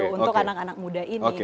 untuk anak anak muda ini